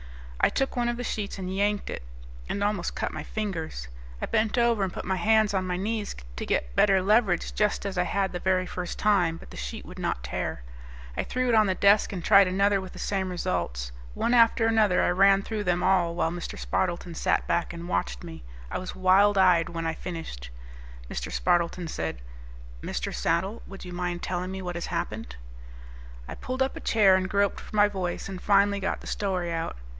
I took one of the sheets and yanked it, and almost cut my fingers. I bent over and put my hands on my knees to get better leverage just as I had the very first time, but the sheet would not tear. I threw it on the desk and tried another with the same results. One after another I ran through them all while Mr. Spardleton sat back and watched me. I was wild eyed when I finished. Mr. Spardleton said, "Mr. Saddle, would you mind telling me what has happened?" I pulled up a chair, groped for my voice, and finally got the story out.